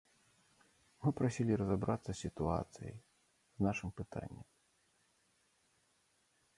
Мы прасілі разабрацца з сітуацыяй, з нашым пытаннем.